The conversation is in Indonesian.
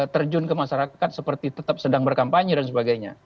terjun ke masyarakat seperti tetap sedang berkampanye dan sebagainya